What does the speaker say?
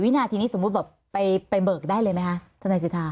วินาทีนี้สมมุติแบบไปเบิกได้เลยไหมคะทนายสิทธา